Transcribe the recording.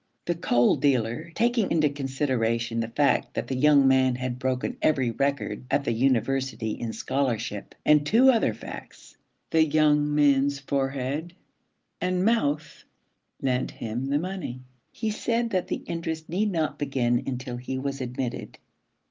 The coal dealer, taking into consideration the fact that the young man had broken every record at the university in scholarship, and two other facts, the young man's forehead and mouth, lent him the money. He said that the interest need not begin until he was admitted.